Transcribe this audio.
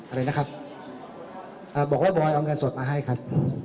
อะไรนะครับอ่าบอกว่าบอยเอาเงินสดมาให้ครับ